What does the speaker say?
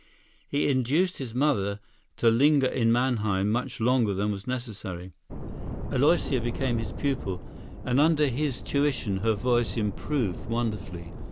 He induced his mother to linger in Mannheim much longer than was necessary. Aloysia became his pupil; and under his tuition her voice improved wonderfully.